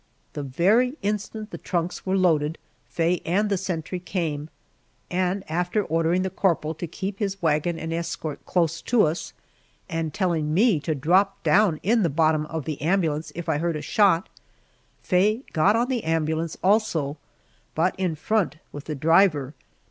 The very instant the trunks were loaded Faye and the sentry came, and after ordering the corporal to keep his wagon and escort close to us, and telling me to drop down in the bottom of the ambulance if I heard a shot, Faye got on the ambulance also, but in front with the driver.